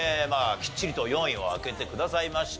きっちりと４位を開けてくださいました。